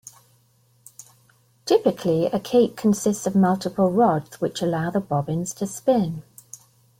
Typically, a kate consists of multiple rods, which allow the bobbins to spin.